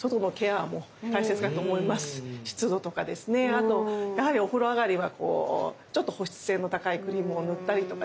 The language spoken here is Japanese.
あとやはりお風呂上がりはちょっと保湿性の高いクリームを塗ったりとかですね